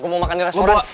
gue mau makan di restoran